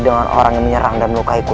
dengan orang yang menyerang dan melukaiku